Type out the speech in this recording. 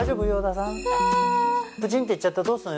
プチンっていっちゃったらどうするの？